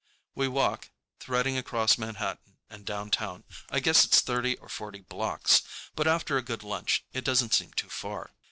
We walk, threading across Manhattan and downtown. I guess it's thirty or forty blocks, but after a good lunch it doesn't seem too far.